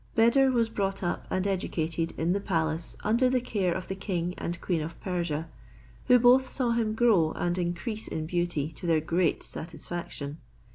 Beder was brought up and educated in the palace under the care of the king and queen of Persia, who both saw him grow and increase in beauty to their great satisfaction.